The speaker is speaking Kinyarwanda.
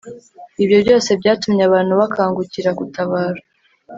ibyo byose byatumye abantu bakangukira gutabara